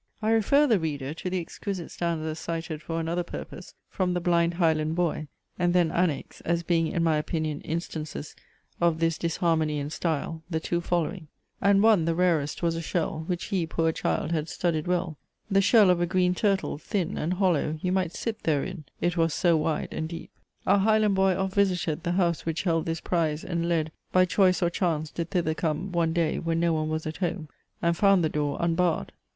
I refer the reader to the exquisite stanzas cited for another purpose from THE BLIND HIGHLAND BOY; and then annex, as being in my opinion instances of this disharmony in style, the two following: "And one, the rarest, was a shell, Which he, poor child, had studied well: The shell of a green turtle, thin And hollow; you might sit therein, It was so wide, and deep." "Our Highland Boy oft visited The house which held this prize; and, led By choice or chance, did thither come One day, when no one was at home, And found the door unbarred."